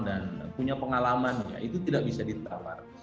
dan punya pengalaman itu tidak bisa ditawar